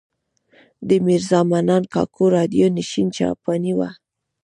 د میرزا منان کاکو راډیو نېشن جاپانۍ وه.